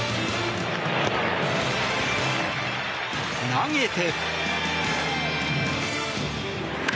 投げて。